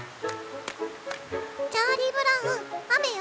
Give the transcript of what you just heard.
「チャーリー・ブラウン雨よ！